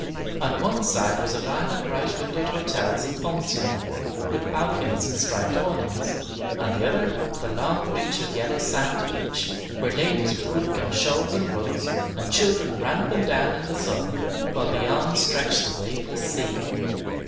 On one side was a line of bright windowed hotels and pensions, with balconies and striped awnings; on the other, the long reach of yellow sand beach, where ladies were grouped on shawls and rugs, and children ran up and down in the sun, while beyond stretched the waveless sea.